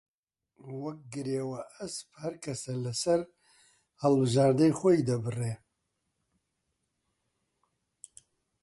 وەک گرێوە ئەسپ هەر کەسە لە سەر هەڵبژاردەی خۆی دەبڕی